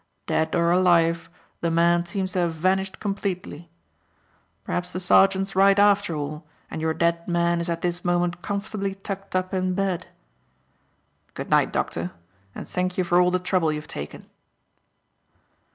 Dead or alive, the man seems to have vanished completely. Perhaps the sergeant's right after all, and your dead man is at this moment comfortably tucked up in bed. Good night, Doctor, and thank you for all the trouble you have taken."